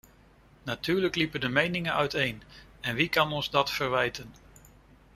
Natuurlijk liepen de meningen uiteen, en wie kan ons dat verwijten?